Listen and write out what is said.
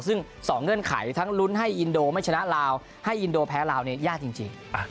ซึ่ง๒เงื่อนไขทั้งลุ้นให้อินโดไม่ชนะลาวให้อินโดแพ้ลาวเนี่ยยากจริง